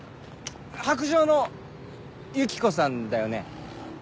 白杖のユキコさんだよね？